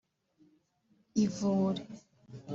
“ivure”